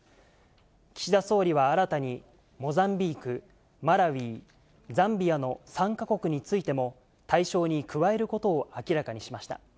岸田総理は新たにモザンビーク、マラウイ、ザンビアの３か国についても対象に加えることを明らかにしました。